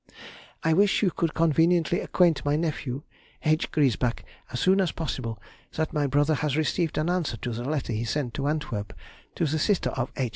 I wish you could conveniently acquaint my nephew, H. Griesbach, as soon as possible, that my brother has received an answer to the letter he sent to Antwerp to the sister of H.